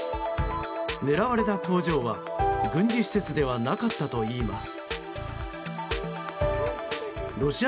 狙われた工場は、軍事施設ではなかったといいます。